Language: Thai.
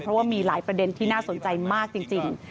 เพราะว่ามีหลายประเด็นที่น่าสนใจมากจริง